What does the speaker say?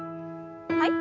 はい。